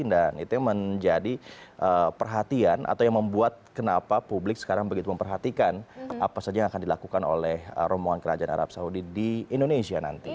dan itu yang menjadi perhatian atau yang membuat kenapa publik sekarang begitu memperhatikan apa saja yang akan dilakukan oleh rombongan kerajaan arab saudi di indonesia nanti